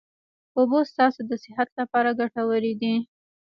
اوبه ستاسو د صحت لپاره ګټوري دي